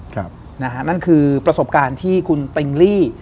จากประสบการณ์ที่คุณติงลี่